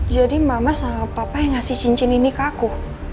jadi mama sama papa yang ngasih cincin ini ke aku